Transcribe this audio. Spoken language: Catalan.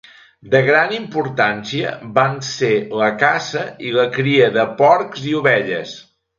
De gran importància van ser la caça i la cria de porcs i ovelles.